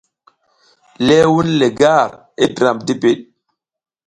Ləh wun le gar i dram dibid.